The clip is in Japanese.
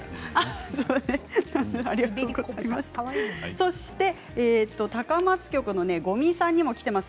そして高松局の五味さんにもきています。